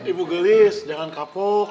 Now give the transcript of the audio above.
ibu gelis jangan kapok